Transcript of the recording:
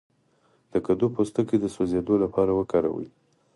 د کدو پوستکی د سوځیدو لپاره وکاروئ